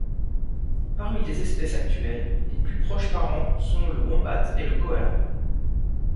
Parmi les espèces actuelles, les plus proches parents sont le wombat et le koala.